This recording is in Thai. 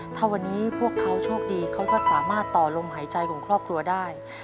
ถ้าวันนี้พวกเขาโชคดีเขาก็สามารถต่อลมหายใจของครอบครัวได้